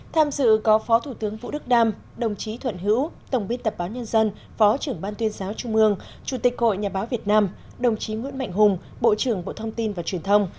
tham dự có phó thủ tướng vũ đức đam đồng chí thuận hữu tổng biên tập báo nhân dân phó trưởng ban tuyên giáo trung ương chủ tịch hội nhà báo việt nam đồng chí nguyễn mạnh hùng bộ trưởng bộ thông tin và truyền thông